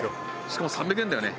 しかも３００円だよね。